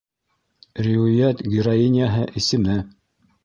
- Риүәйәт героиняһы исеме.